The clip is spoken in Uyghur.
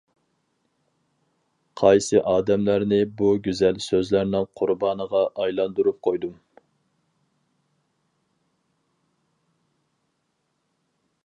قايسى ئادەملەرنى بۇ گۈزەل سۆزلەرنىڭ قۇربانىغا ئايلاندۇرۇپ قويدۇم.